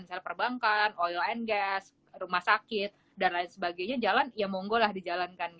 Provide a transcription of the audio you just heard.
misalnya perbankan oil and gas rumah sakit dan lain sebagainya jalan ya monggo lah dijalankan